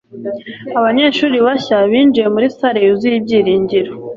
Abanyeshuri bashya binjiye muri salle yuzuye ibyiringiro.